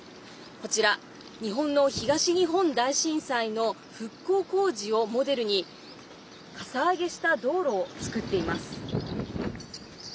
こちら、日本の東日本大震災の復興工事をモデルにかさ上げした道路を作っています。